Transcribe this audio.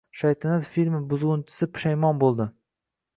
Shaytanat filmi buzgʻunchisi pushaymon boʻldi